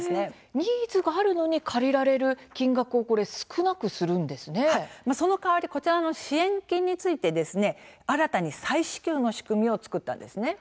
ニーズがあるのに借りられる金額をその代わりこちらの支援金について新たに再支給の仕組みを作ったんですね。